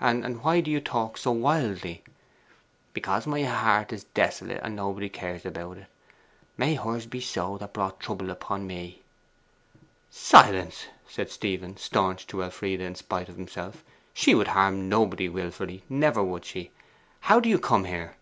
And why do you talk so wildly?' 'Because my heart is desolate, and nobody cares about it. May hers be so that brought trouble upon me!' 'Silence!' said Stephen, staunch to Elfride in spite of himself. 'She would harm nobody wilfully, never would she! How do you come here?